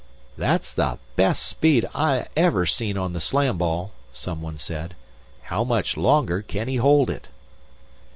"That's the best speed I ever seen on the Slam ball," someone said. "How much longer can he hold it?"